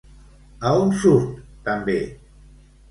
A on surt també?